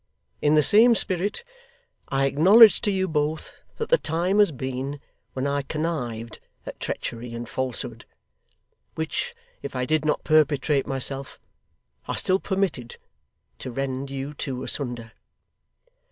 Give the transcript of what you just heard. In the same spirit, I acknowledge to you both that the time has been when I connived at treachery and falsehood which if I did not perpetrate myself, I still permitted to rend you two asunder.